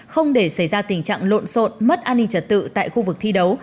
không để xảy ra tình trạng lộn xộn mất an ninh trật tự tại khu vực thi đấu